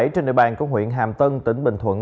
trên địa bàn của huyện hàm tân tỉnh bình thuận